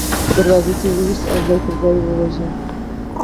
په دروازه کې یې وویشت او ځای پر ځای یې وواژه.